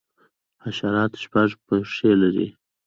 حشرات شپږ پښې لري